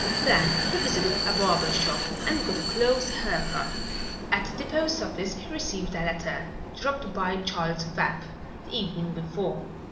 Then he visited a barber shop and got a close hair cut. At the post office he received a letter, dropped by Charles Vapp the evening before.